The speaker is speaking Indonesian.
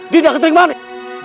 dinda ketering manis